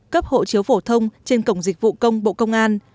cấp hộ chiếu phổ thông trên cổng dịch vụ công bộ công an